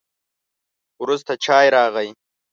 وروسته چای راغی.